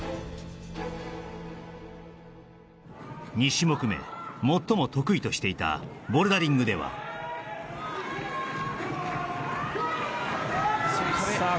２種目目最も得意としていたボルダリングではさあ